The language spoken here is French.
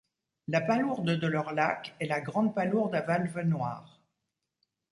La palourde de leur lac est la grande palourde à valve noire.